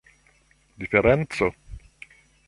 diferenco